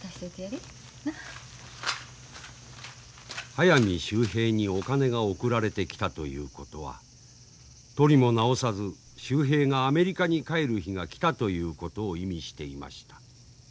速水秀平にお金が送られてきたということはとりもなおさず秀平がアメリカに帰る日が来たということを意味していました。